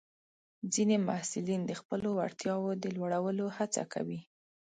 ځینې محصلین د خپلو وړتیاوو د لوړولو هڅه کوي.